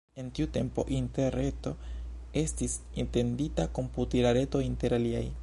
En tiu tempo Interreto estis etendita komputila reto inter aliaj.